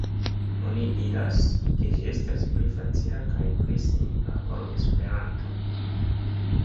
Oni diras, ke ĝi estas pli facila kaj pli simpla ol Esperanto.